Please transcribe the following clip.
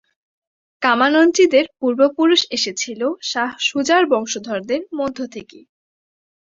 কামানঞ্চিদের পূর্বপুরুষ এসেছিল শাহ সুজার বংশধরদের মধ্য থেকে।